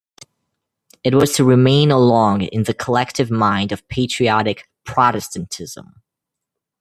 It was to remain long in the collective mind of patriotic Protestantism.